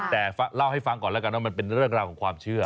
แต่เล่าให้ฟังก่อนแล้วกันว่ามันเป็นเรื่องราวของความเชื่อ